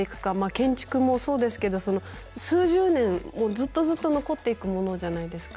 建築もそうですけど数十年、ずっとずっと残っていくものじゃないですか。